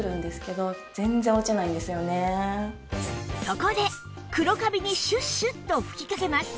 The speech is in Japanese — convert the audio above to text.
そこで黒カビにシュッシュッと吹きかけます